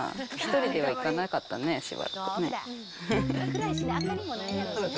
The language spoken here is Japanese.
１人では行かなかったね、しばらくね。